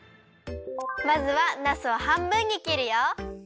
まずはなすをはんぶんにきるよ。